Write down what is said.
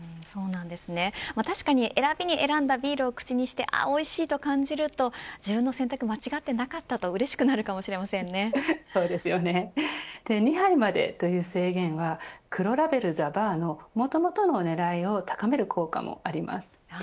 確かに選びに選んだビールを口にしてああ、おいしいと感じると自分の選択は間違ってなかったと２杯までという制限は黒ラベルＴＨＥＢＡＲのもともとの狙いを高める効果もあります。